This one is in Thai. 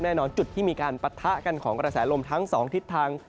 จุดที่มีการปะทะกันของกระแสลมทั้ง๒ทิศทาง